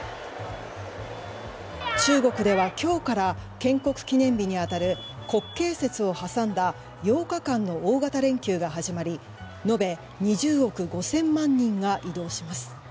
中国では今日から建国記念日に当たる国慶節を挟んだ８日間の大型連休が始まり延べ２０億５０００万人が移動します。